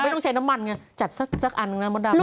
ไม่ต้องใช้น้ำมันไงจัดสักอันน้ำน้ำดาวนี้